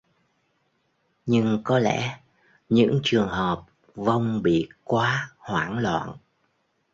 Nhưng có lẽ những trường hợp vong bị quá hoảng loạn